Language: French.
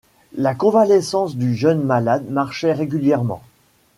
La convalescence du jeune malade marchait régulièrement